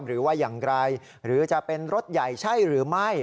หรือว่าอย่างไรหรือจะเป็นรถใหญ่ใช่หรือไม่